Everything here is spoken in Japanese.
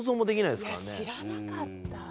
いや知らなかった。